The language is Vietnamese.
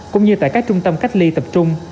cũng như tại các trung tâm cách ly tập trung